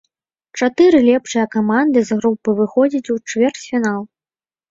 Чатыры лепшыя каманды з групы выходзяць у чвэрцьфінал.